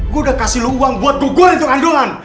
gue udah kasih lo uang buat gue goreng ke kandungan